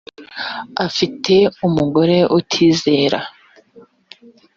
afite umugore utizera